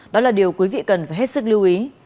đó là điều quý vị cần phải hết sức lưu ý